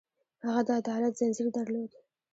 هغه د عدالت ځنځیر درلود.